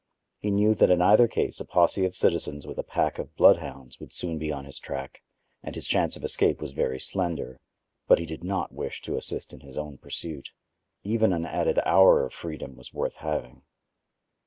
He knew that in either case a posse of citizens with a pack of bloodhounds would soon be on his track and his chance of escape was very slender; but he did not wish to assist in his own pursuit. Even an added hour of freedom was worth having.